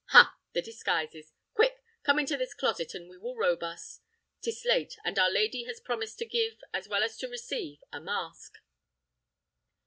Ha, the disguises! Quick! come into this closet, and we will robe us. 'Tis late, and our lady has promised to give, as well as to receive, a mask."